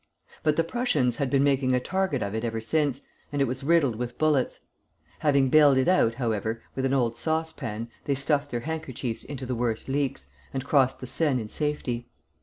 But the Prussians had been making a target of it ever since, and it was riddled with bullets. Having bailed it out, however, with an old saucepan, they stuffed their handkerchiefs into the worst leaks, and crossed the Seine in safety.